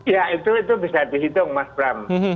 ya itu bisa dihitung mas bram